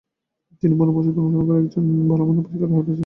তিনি বুনো পশুদের অনুসরণ এবং একজন ভালোমানের শিকারি হয়ে উঠেছিলেন।